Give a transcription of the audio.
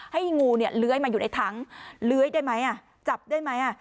ให้งูเนี่ยเล้ยมาอยู่ในทั้งเล้ยได้ไหมอ่ะจับได้ไหมอ่ะ